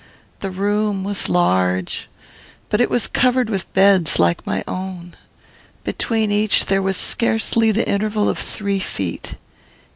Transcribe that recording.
The room was large, but it was covered with beds like my own. Between each, there was scarcely the interval of three feet.